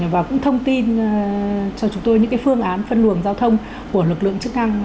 và cũng thông tin cho chúng tôi những phương án phân luồng giao thông của lực lượng chức năng